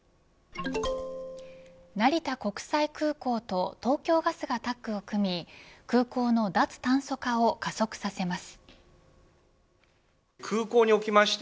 成田国際空港と東京ガスがタッグを組み空港の脱炭素化を加速させます。